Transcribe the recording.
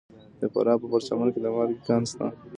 د فراه په پرچمن کې د مالګې کان شته.